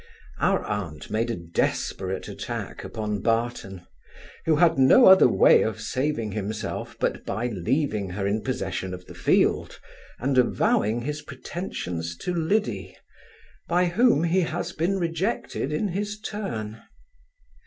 Our aunt made a desperate attack upon Barton, who had no other way of saving himself, but by leaving her in possession of the field, and avowing his pretensions to Liddy, by whom he has been rejected in his turn.